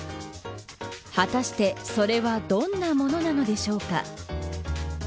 果たして、それはどんなものなのでしょうか。